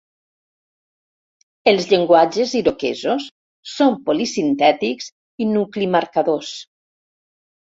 Els llenguatges iroquesos són polisintètics i nucli-marcadors.